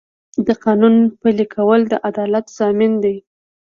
د قانون پلي کول د عدالت ضامن دی.